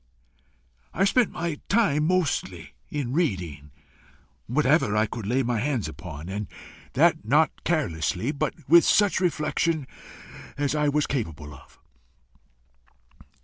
I spent my time mostly in reading whatever I could lay my hands upon and that not carelessly, but with such reflection as I was capable of.